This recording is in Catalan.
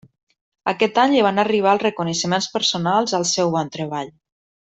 Aquest any li van arribar els reconeixements personals al seu bon treball.